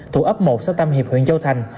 thủ ấp một sau tâm hiệp huyện châu thành